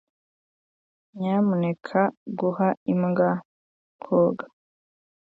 Nyamuneka guha imbwa koga.